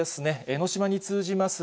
江の島に通じます